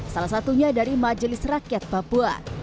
salah satunya dari majelis rakyat papua